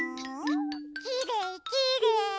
きれいきれい！